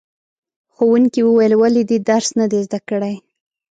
ښوونکي وویل ولې دې درس نه دی زده کړی؟